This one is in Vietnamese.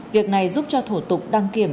việc này giúp cho thủ tục đăng kiểm